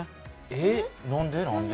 えっ何で？